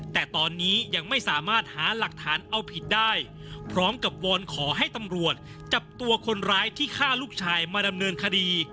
แต่ตอนนี้ยังไม่สามารถหาหลักฐานเอาผิดได้พร้อมกับวอนขอให้ตำรวจจับตัวคนร้ายที่ฆ่าลูกชายมาดำเนินคดี